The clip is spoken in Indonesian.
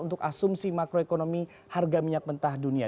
untuk asumsi makroekonomi harga minyak mentah dunia